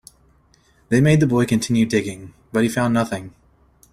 They made the boy continue digging, but he found nothing.